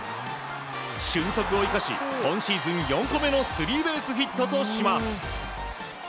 俊足を生かし今シーズン４個目のスリーベースヒットとします。